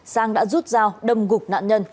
sang đã rút rao đâm gục nạn nhân